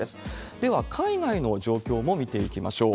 では、海外の状況も見ていきましょう。